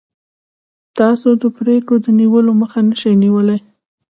تاسو د پرېکړو د نیولو مخه نشئ نیولی.